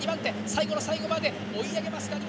最後の最後まで追い上げますが２号艇。